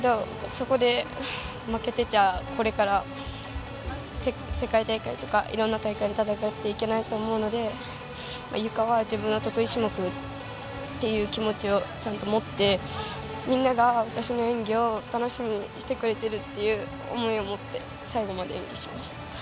そこで、負けてちゃこれから世界大会とか、いろんな大会で戦っていけないと思うのでゆかは自分の得意種目っていう気持ちをちゃんと持ってみんなが私の演技を楽しみにしてくれてるって思いを持って最後まで演技しました。